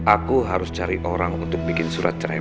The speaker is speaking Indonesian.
aku mau bicara tentang lupanya ya